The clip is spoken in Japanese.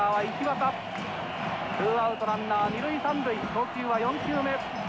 投球は４球目。